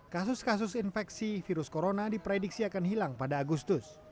kasus kasus infeksi virus corona diprediksi akan hilang pada agustus